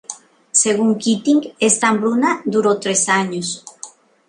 Según Keating esta hambruna duró tres años.